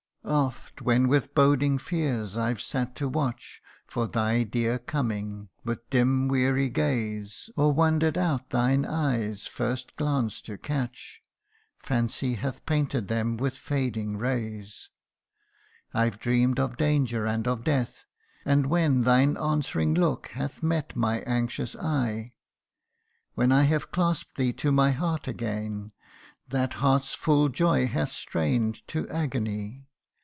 " Oft, when with boding fears I 've sat to watch For thy dear coming, with dim weary gaze, Or wander'd out thine eye's first glance to catch, Fancy hath painted them with fading rays. I've dream'd of danger and of death ; and when Thine answering look hath met my anxious eye ; When I have clasp'd thee to my heart again That heart's full joy hath strain'd to agony.